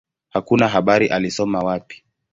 Hakuna habari alisoma wapi.